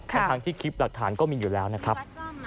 ทั้งที่คลิปหลักฐานก็มีอยู่แล้วนะครับ